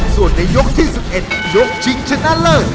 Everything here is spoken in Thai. ส่วนในยกที่๑๑ยกชิงชนะเลิศ